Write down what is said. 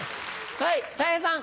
はいたい平さん。